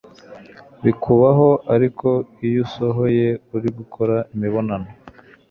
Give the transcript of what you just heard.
bikubaho Ariko iyo usohoye uri gukora imibonano